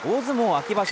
秋場所